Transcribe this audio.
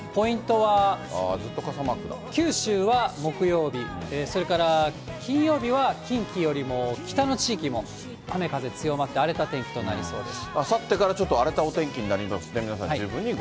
あ、九州は木曜日、それから金曜日は近畿よりも北の地域も雨風強まって、全国の皆さん、こんにちは。